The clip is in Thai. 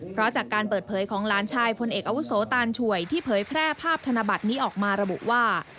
เพราะจากการเปิดเผยของหลานชายพลเอกอาวุโสตานช่วยที่เผยแพร่ภาพธนบัตรนี้ออกมาระบุว่า